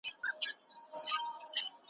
د شپې ډېوې یا د شیخانو غونډي ولیدلې `